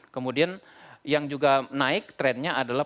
kemudian yang juga naik trennya adalah